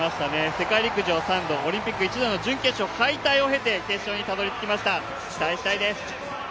世界陸上３度、オリンピック１度を経て決勝にたどり着きました、期待したいです。